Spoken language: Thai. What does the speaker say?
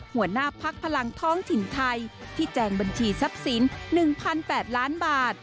หัวหน้าพักพลังท้องถิ่นไทยที่แจงบัญชีทรัพย์สิน๑๘ล้านบาท